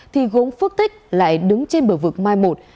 thì gốm phước tích lại đứng trên bờ vực mai một